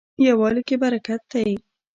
یووالي کې برکت دی